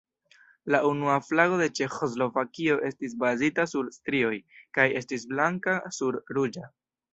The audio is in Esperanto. La unua flago de Ĉeĥoslovakio estis bazita sur strioj, kaj estis blanka sur ruĝa.